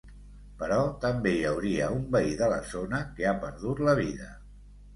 Però també hi hauria un veí de la zona que ha perdut la vida.